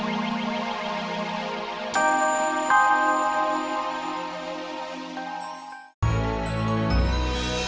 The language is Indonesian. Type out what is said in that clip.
mas ini dia mas